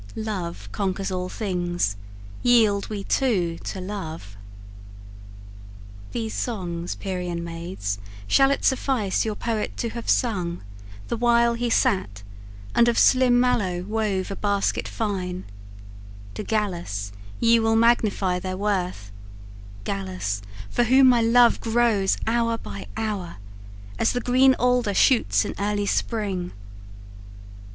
Love conquers all things; yield we too to love!" These songs, Pierian Maids, shall it suffice Your poet to have sung, the while he sat, And of slim mallow wove a basket fine: To Gallus ye will magnify their worth, Gallus, for whom my love grows hour by hour, As the green alder shoots in early Spring.